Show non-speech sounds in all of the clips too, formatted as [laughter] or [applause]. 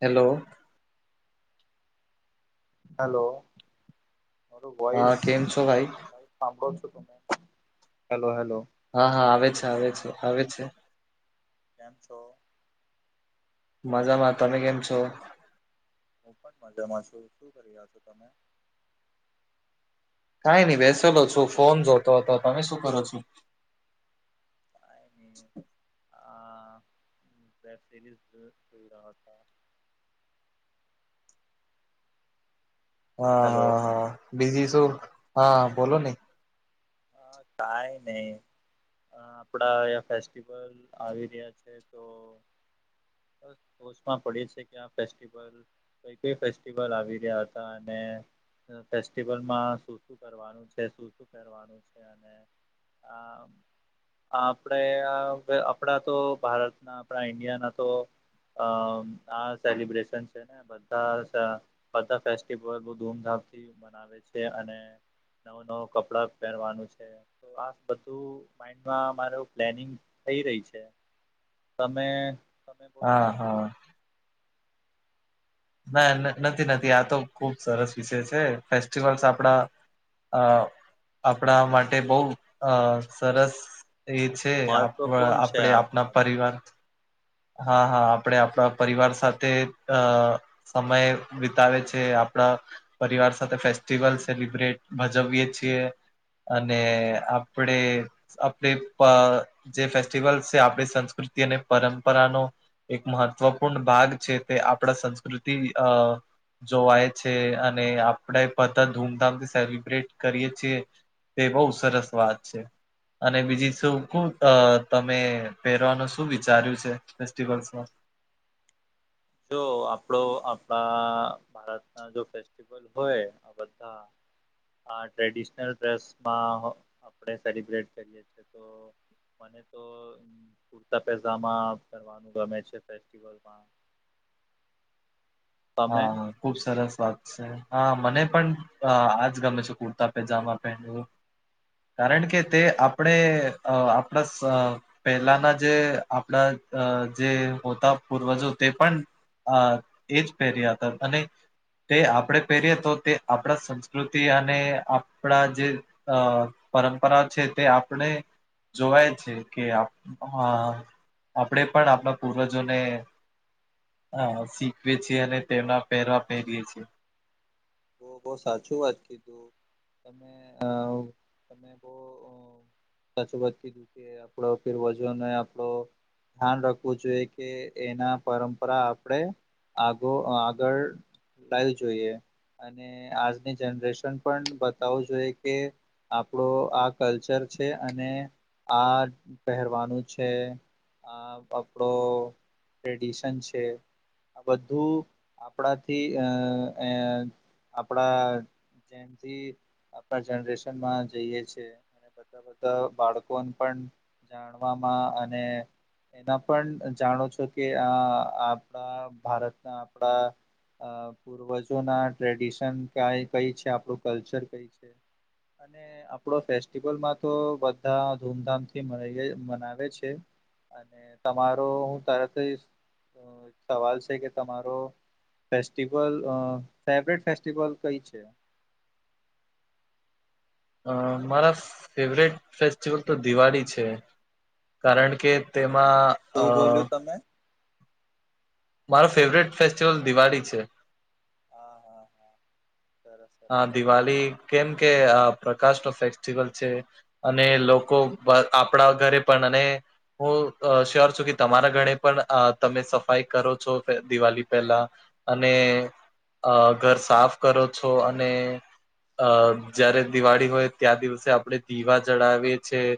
Hello hello થોડું હા voice કેમ છો ભાઈ સાંભળો છો તમે હેલો હેલો હા હા આવે છે, આવે છે, આવે છે કેમ છો? મજામાં. તમે કેમ છો? હું પણ મજામાં છું શું કરી રહ્યા છો તમે કાઈ નઈં બેસેલો છું ફોન જોતો હતો. તમે શું કરો છો? અને વેબ સિરીઝ [unintelligible] હા હેલો હા હા બીઝી છો હા બોલો ની હા કાઈ નઈ અ આપડા અ ફેસ્ટિવલ આવી રહ્યા છે તો ટોચમાં પડે છે કે આ ફેસ્ટિવલ કઈ કઈ ફેસ્ટિવલ આવી રહ્યા હતા અને ફેસ્ટિવલમાં શુ શું કરવું શું શું પેરવાનું છે અને આપણે આપણા તો ભારતના આપણા ઈન્ડિયાના તો અ આ સેલિબ્રેશન છે ને બધાં બધાં ફેસ્ટિવલ બો ધૂમધામથી મનાવે છે અને નવ નવ કપડા પહેરવાનું છે આ બધું માઈન્ડમા મારુ પ્લેનિગ થઈ રઈ છે. તમે તમે બોલો હા હા ના નથી નથી આ તો ખુબ સરસ વિષય છે ફેસ્ટિવલ્સ આપડા અ આપણા માટે બઉ અ સરસ એ છે તે આપ મહત્વપૂર્ણ છે આપણેે આપના આપણા પરિવાર હા હા આપડે આપણા પરિવાર સાથે અ સમય વિતાવે છે આપડા પરિવાર સાથે ફેસ્ટિવલ સેલિબ્રેટ ભજવીએ છીએ. અને આપડે [unintelligible] જે ફેસ્ટિવલ છે આપણી સંસ્કૃતિ અને પરંપરાનો એક મહત્વપૂર્ણ ભાગ છે તે આપણા સંસ્કૃતિ અ જોવાય છે અને આપડે બધાં ધૂમધામથી સેલિબ્રેટ કરીએ છીએ. તે બહુ સરસ વાત છે. અને બીજી શું [unintelligible] તમે પહેરવાનું શું વિચાર્યું છે ફેસ્ટિવલસમાં જો આપણો આપણા ભારતના જો ફેસ્ટિ [unintelligible] હોય બધા આ ટ્રેડિશનલ ડ્રેસમાં આપણે સેલિબ્રેટ કરીએ તો [inaudible] મને તો કુરતા પેઝામા પહેરવાનુ ગમે છે ફેસ્ટિવલ માં તમે હા હા ખુબ સરસ વાત છે હા મને પણ આજ ગમે છે કુર્તા પેજામા પહેનવું કારણ કે તે આપણે આપણા [unintelligible] પહેલાના જે આપણા જે હોતા પૂર્વજો તે પણ હ એજ પહેર્યા હતા અને તે આપણે પહેરીએ તો તે આપણા સંસ્કૃતિ અને આપણા જે અ પરંપરા છે તે આપણે જોવાય છે કે [unintelligible] આપણેે પણ આપણા પૂર્વજોને શીખવે છે [unintelligible] તેના પહેરવા પહેરીએ છીએ બહું સાચું વાત કીધું તમે અ તમે બવ અ [unintelligible] કે આપડો પૂર્વજનને આપડો ધ્યાન રાખવું જોઈએ કે એના પરંપરા આપળે આગો આગળ લાવી જોઈએ અને આજની જનરેશન પણ બતાવું જોઈએ કે આપણો આ કલ્ચર છે અને આ પહેરવાનું છે આ આપણો ટ્રેડિશન છે આ બધું આપણાથી અ અ આપણા જેમથી આપણા જનરેશનમાં જઈએ છે અને બધા બધા બાળકોને પણ જાણવામાં અને એના પણ જાણો છો કે આ આપણા ભારતના આપણા અ પૂર્વજો ના ટ્રેડિશન ક કઈ છે આપણું કલ્ચર કઈ છે અને આપડો ફેસ્ટિવલમાં તો બધા ધૂમધામથી મનાવે છે અને તમારો હું તરત જ અ સવાલ છે કે તમારો ફેસ્ટિવલ અ ફેવરેટ ફેસ્ટિવલ કઈ છે અ મારા ફેવરેટ ફેસ્ટિવલ તો દિવાળી છે કારણ કે તેમાં અ શું બોલ્યું તમે મારો હેલો ફેવરેટ ફેસ્ટિવલ દિવાળી છે હા હા હા સરસ આ સરસ દિવાલી કેમ કે પ્રકાશ નો ફેસ્ટિવલ છે અને લોકો આપણા ઘરે પણ અને હું શ્યોર છું કે તમારા ઘરે પણ તમે સફાઈ કરો છો દિવાલી પહેલા અને અ ઘર સાફ કરો છો અને અ જયારે દિવાળી હોય ત્યાં દિવસે આપણે દીવા જડાવીએ છીએ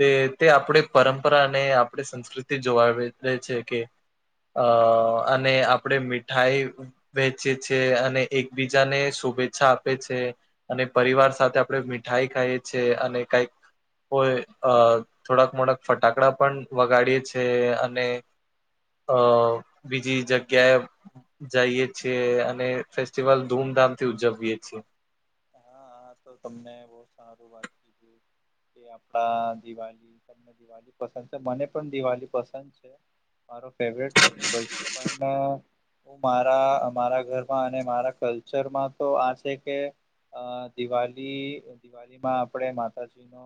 તે તે આપણે પરંપરા અને આપણી સંસ્કૃતિ જોવા દે છે કે અ અને આપડે મીઠાઈ વહેચે છે અને એકબીજાને શુભેચ્છા આપે છે અને પરિવાર સાથે આપણે મીઠાઈ ખાઈએ છે અને કઈક કોઈ અ થોડાક મોડાક ફટાકડા પણ વગાડીએે છે અને અ બીજી જગ્યાએ જાઈએ છીએ અને ફેસ્ટિવલ ધૂમધામ થી ઉજવીયે છીએ હાા તો તમને બહ સારું વાત ક કે આપણા દિવા [unintelligible] [inaudible] પસંદ છે મને પણ દિવાલી પસંદ છે મારો ફેવરેટ ફેસ્ટિવલ છે [unintelligible] હું મારા અમારા ઘરમાં અને મારા કલ્ચરમાં તો આ છે કે અ દિવાલી દિવાલીમાં આપણે માતાજી નો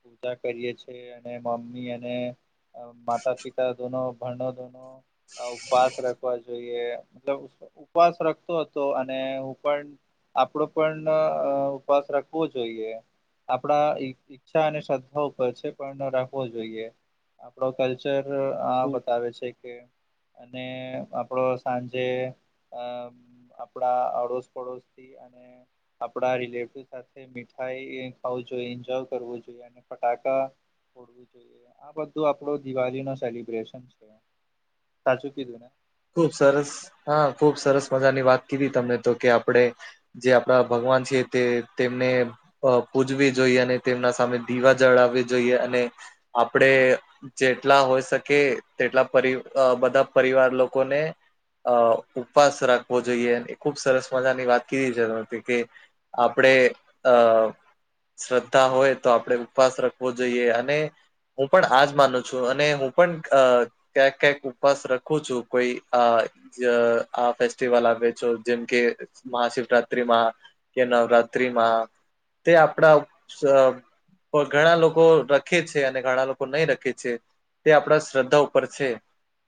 પૂજા કરીએ છેએ અને મમ્મી અને માતા પિતા દોનો [unintelligible] ઉપવાસ રાખવા જોઈએ મતલબ ઉપવાસ રખતો હતો અને હું પણ આપડો પણ ઉપવાસ રખવો જોઈએ આપણા ઈચ્છા અને શ્રદ્ધા ઉપર છે પણ રાખવો જોઈએ આપડો કલ્ચર આ ખૂબ બતાવે છે કે અને આપડો સાંજે અ આપડા અડોશ પડોશ થી અને આપડા રિલેટિવ સાથે મીઠાઈ ખાવું જોઈએ એન્જોય કરવું જોઈએ અને ફટાકા [unintelligible] [unintelligible] આ બધું આપડો દિવાલી નો સેલિબ્રેશન છે સાચું કીધું ને ખુબ સરસ હા ખુબ સરસ મજાની વાત કીધી તમને તો કે આપળે જે આપણા ભગવાન છે તે તેમને અ પૂજવી જોઈએ, અને તેમના સામે દીવા જળાવવી જોઈએ, અને આપડે જેટલા હોય શકે તેટલા પરી બધા પરિવાર લોકો કોને અ ઉપવાસ રાખવો જોઈએ, એ ખુબ સરસ મજાની વાત કીધી છે, [unintelligible] કે આપડે અ શ્રદ્ધા હોય તો, આપડે ઉપવાસ રાખવો જોઈએ, અને હું પણ આજ માનું છું, અને હું પણ ક્યાંક ક્યાંક ઉપવાસ રખું છું. કોઈ આ જ આ ફેસ્ટવલ આવે છે, જેમ કે મહાશિવરાત્રીમાં, કે નવરાત્રીમાં, તે આપડા ઉ સ તો, ઘણા લોકો રખે છે, અને ઘણા લોકો નહી રખે છે. તે આપડા શ્રદ્ધા ઉપર છે,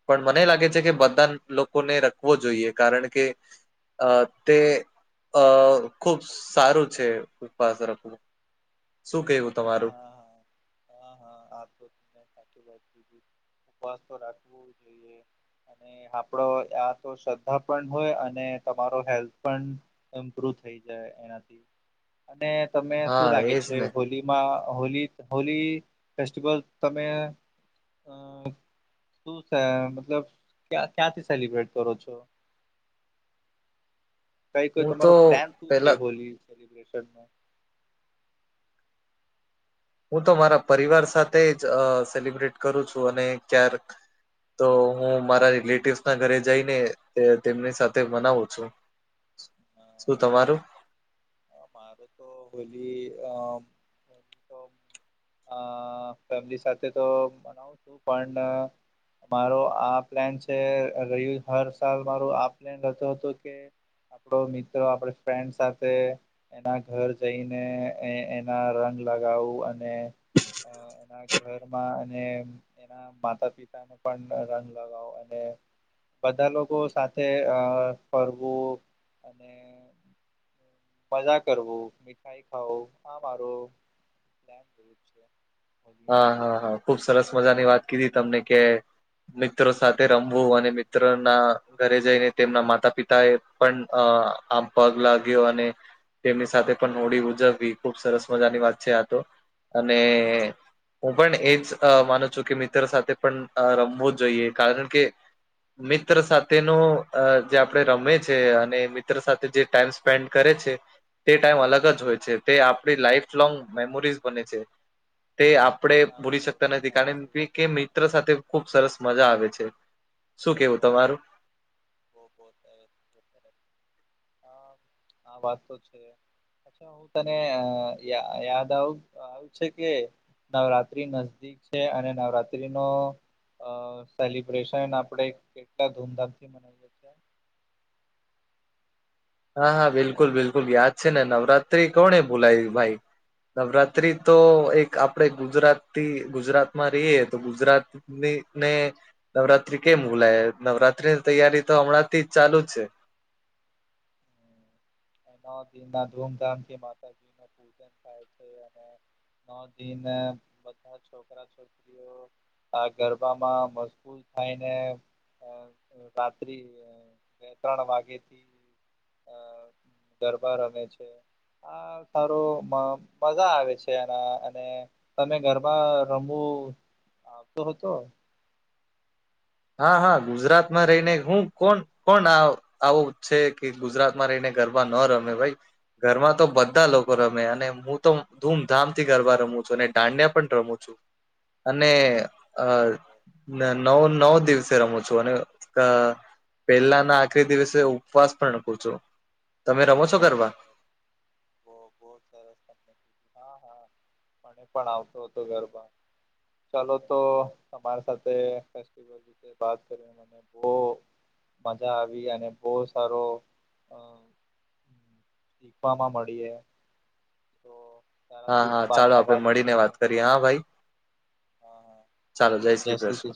પણ મને લાગે છે, કે બધા લોકોને રખવો જોઈએ, કારણકે અ તે અ ખુબ સારું છે, ઉપવાસ રાખવું, શું કેવું હા તમારું? હા હા હા હા, આ તો તમે સાચી વાત કીધી, ઉપવાસ તો રાખવુ જોઈએ, અને ને આપડો આ તો શ્રદ્ધા પણ હોય, અને તમારો હેલ્થ પણ ઇમ્પ્રુવ થઈ જાય એનાથી. અને તમને હા શું લાગે એજ છે, ને હોલીમાં હોલી, હોલી ફેસ્ટિવલ તમે અ શું છે, મતલબ ક્યાં ક્યાંથી સેલિબ્રેટ કરો છો? કઈ કોઈ હું તો તમારો પ્લાન શું છે, પેલા હોલી સેલિબ્રેશન નો? હું તો મારા પરિવાર સાથેજ અ સેલિબ્રેટ કરું છું, અને ક્યાંક તો હું મારા રિલેટિવસ ના ઘરે જઈને, તે તેમની સાથે મનાવું છું. શું તમારું? મારેતો હોલી અ [unintelligible] હુતો અ ફેમિલી સાથે તો મનાવું છું, પણ મારો આ પ્લાન છે, રહી હર સાલ મારો આ પ્લાન રહેતો હતો, કે આપડો મિત્ર આપડે ફ્રેન્ડ સાથે એના ઘર જઈને, એ એના રંગ લગાવું, અને અ અ એના ઘરમાં અને એના માતા, પિતા ને પણ રંગ લગાવો, અને બધા લોકો સાથે અ ફરવું, અને મજા કરવું, મીઠાઈ ખાવું, આ મારુ પ્લાન હોય છે. હોલીનો હા હા હા, ખુબ સરસ મજાની વાત કીધી તમને કે મિત્ર સાથે રમવું, અને મિત્રો ના ઘરે જઈને તેમના માતા પિતા એ પણ અ આમ પગ લાગ્યો અને તેમની સાથે પણ હોડી ઉજવવી, ખુબ સરસ મજાની વાત છે આ તો, અને હું પણ એજ અ માનું છું કે, મિત્ર સાથે પણ અ રમવુજ જોઈએ, કારણ કે મિત્ર સાથે નુ અ જે આપડે રમે છે, અને મિત્ર સાથે જે ટાઈમ સ્પ પેન્ડ કરે છે, તે ટાઈમ અલગ જ હોય છે, તે આપડી લાઈફ લોંગ મેમોરીઝ બને છે. તે આપડે હા ભૂલી બહુ શકતા નથી, કારણ સાચી કી વાત તે કીધી મિત્ર તમે. સાથે ખુબ સરસ મજા આવે છે. શું કેવું તમારું? બો બો થહે [unintelligible] આ વાત તો છે, અચ્છા હું તને યા યાદ આવ આવું છે કે, નવરાત્રી નજદીક છે, અને નવરાત્રી નો અ સેલિબ્રેશન આપડે કેટલા ધૂમધામ થી મનાવીએ. છીએ હા હા બિલકુલ બિલકુલ યાદ છે ને નવરાત્રી કોને ભૂલાઈવી ભાઈ. નવરાત્રી તો એક આપ આપણે ગુજરાતી ગુજરાતમાં રહીએ તો ગુજરાતનીને નવરાત્રી કેમ ભુલાઈ. નવરાત્રી ની તૈયારી તો હમણાં થી ચાલુ જ છે. એના દિનના ધૂમધામથી માતાજી ન પૂજન થાય છે. [inaudible] નો દિન બધા છોકરા [inaudible] આ ગરબામાં મશગૂલ થાયને રાત્રિ બે-ત્રણ વાગે થી અ ગરબા રમે છે. હા સારું મજા આવે છે એના અને તમે ઘરમાં રમવું આવતો હતો? હા હા ગુજરાતમાં રહીને હું કોણ કોણ આવું છે કે ગુજરાત માં રહીને ગરબા ન રમે ભાઈ. ગરબા તો બધા લોકો રમે અને હું તો ધૂમધામથી ગરબા રમું છું અને દાંડિયા પણ રમું છું. અને અ નવ નવ દિવસે રમું છું અને પહેલા ના આખરી દિવસે ઉપવાસ પણ રાખું છું. તમે રમો છો બહુ ગરબા? સરસ બહુ બહુ સરસ તમને હા હા મને પણ આવતો હતો ગરબા. ચાલો તો તમારી સાથે ફેસ્ટિવલ વિશે વાત કરીને મને બો મજા આવી અને બહુ સારો અ શીખવામાં મળીએ. [inaudible] હા હા ચાલો બાદમાં આપડે મળી ને કરીએ. વાત કરી યે હા ભાઈ. હા હા ચાલો જય શ્રી કૃષ્ણ.